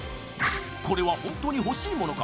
これはホントに欲しいものか？